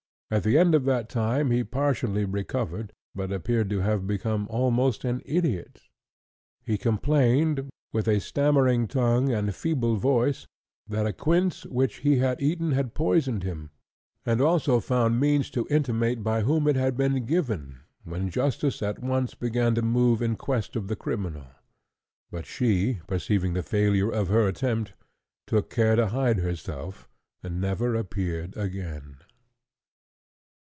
At the end of that time he partially recovered, but appeared to have become almost an idiot. He complained, with a stammering tongue and feeble voice, that a quince which he had eaten had poisoned him, and also found means to intimate by whom it had been given, when justice at once began to move in quest of the criminal; but she, perceiving the failure of her attempt, took care to hide herself, and never appeared again.